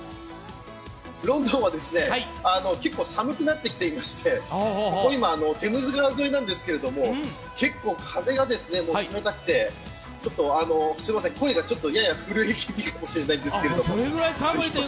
ロンドンは結構寒くなってきていまして、ここ今、テムズ川沿いなんですけれども結構風が冷たくてすいません、声がやや震え気味かもしれないんですけど。